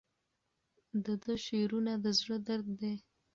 د ده شعرونه د زړه درد دی.